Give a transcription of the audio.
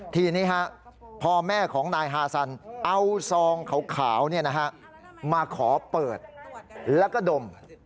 ทีนี้พอแม่ของนายฮาซันเอาซองขาวมาขอเปิดแล้วก็ดม